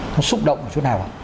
nó xúc động ở chỗ nào ạ